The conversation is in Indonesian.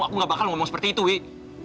aku gak bakal ngomong seperti itu wi